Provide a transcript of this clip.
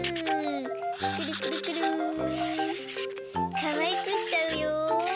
かわいくしちゃうよ。